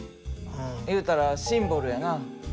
言うたらシンボルやな。